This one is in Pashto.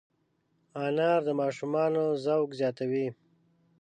انار د ماشومانو ذوق زیاتوي.